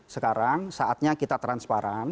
sekarang saatnya kita transparan